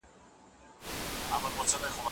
موږ باید د مشرانو مشوري ومنو.